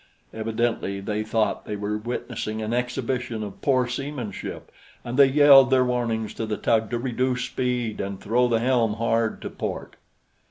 Evidently they thought they were witnessing an exhibition of poor seamanship, and they yelled their warnings to the tug to reduce speed and throw the helm hard to port.